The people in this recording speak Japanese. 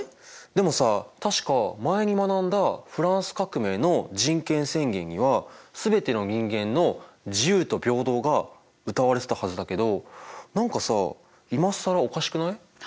でもさ確か前に学んだフランス革命の人権宣言には全ての人間の自由と平等がうたわれてたはずだけど何かさ今更おかしくない？